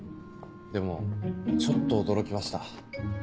でもちょっと驚きました。